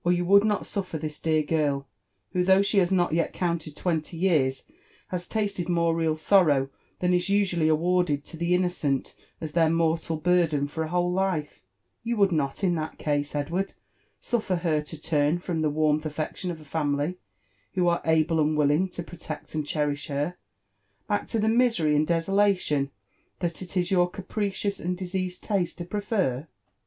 321 you would not suffer (his dear girl, who, though she has not yet counted twenly years, has tasted more real sorrow than is usualfy awarded (o the innocent as their mortal burden for a whole life; — you would not in that case, Edward, suffer her to turn from the warm affection of a family, who are able and willing to protect and cherish her, back to the misery and desolation that it is your capricious and diseased taste to prefer."